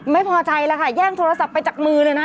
ไม่พอใจแล้วค่ะแย่งโทรศัพท์ไปจากมือเลยนะ